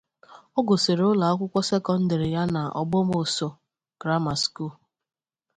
Ọ gụsịrị ụlọ akwụkwọ sekọndrị ya na Ogbomoso Grammar School.